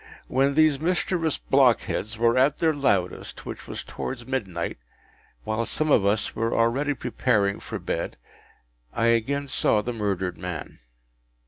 When these mischievous blockheads were at their loudest, which was towards midnight, while some of us were already preparing for bed, I again saw the murdered man.